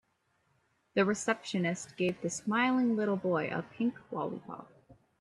The receptionist gave the smiling little boy a pink lollipop.